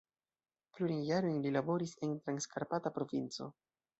Plurajn jarojn li laboris en Transkarpata provinco.